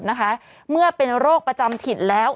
นะคะเมื่อเป็นโรคประจำถิ่นแล้ว